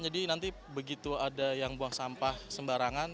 jadi nanti begitu ada yang buang sampah sembarangan